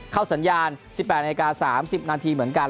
เข้าสัญญาณ๑๘นาที๓๐นาทีเหมือนกัน